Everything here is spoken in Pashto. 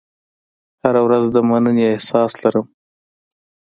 هره ورځ د مننې احساس لرم.